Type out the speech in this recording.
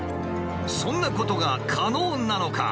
そんなことが可能なのか！？